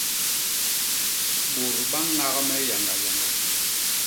Bôt ba ñak me yañga yañga.